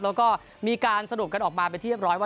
แล้วก็มีการสรุปกันออกมาเป็นที่เรียบร้อยว่า